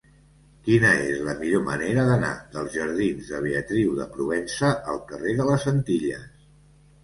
Quina és la millor manera d'anar dels jardins de Beatriu de Provença al carrer de les Antilles?